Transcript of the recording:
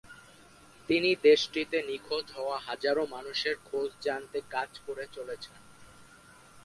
তিনি দেশটিতে নিখোঁজ হওয়া হাজারো মানুষের খোঁজ জানতে কাজ করে চলেছেন।